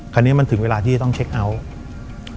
คันนี้มันถึงเวลาที่ต้องเช็คเอาท์